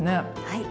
はい。